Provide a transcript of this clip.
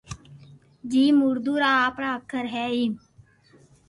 جيم اردو را آپرا اکر ھي ايم